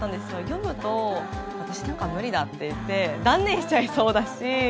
読むと「私なんか無理だ」っていって断念しちゃいそうだし。